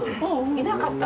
いなかった？